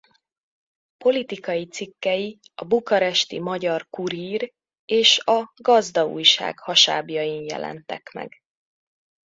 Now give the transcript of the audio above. Politikai cikkei a bukaresti Magyar Kurír és a Gazda Újság hasábjain jelentek meg.